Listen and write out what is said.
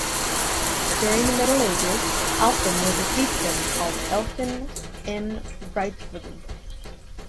During the Middle Ages, Alphen was a fiefdom called Alphen en Rietveld.